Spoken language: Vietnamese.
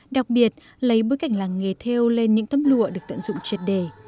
đặc biệt lấy bối cảnh làng nghề theo lên những tấm lụa được tận dụng triệt đề